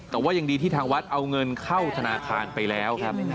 แต่ว่ายังดีที่ทางวัดเอาเงินเข้าธนาคารไปแล้วครับ